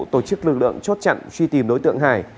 tổ chức lực lượng chốt chặn truy tìm đối tượng hải